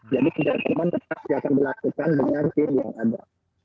jadi pencarian korban tetap siap dilakukan dengan tim yang ada